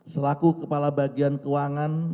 selaku kepala bagian keuangan